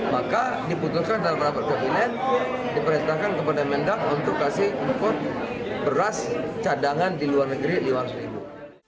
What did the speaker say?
maka diputuskan dalam rapat keminen diperhentakan kepada mendang untuk kasih beras cadangan di luar negeri lima puluh ribu